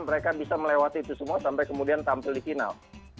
mereka bisa melewati itu semua sampai kemudian tampil di final